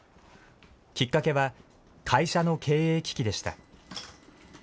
きっかけは、会社の経営危機でした。